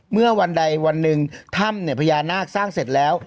เมื่อวันใดวันหนึ่งถ้ำเนี่ยพญานาคสร้างเสร็จแล้ว